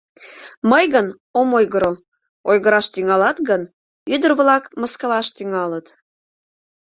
Мый гын ом ойгыро, ойгыраш тӱҥалат гын, ӱдыр-влак мыскылаш тӱҥалыт...